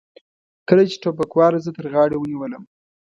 کله چې ټوپکوال زه تر غاړې ونیولم.